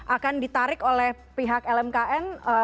akan ditarik oleh pihak lmkn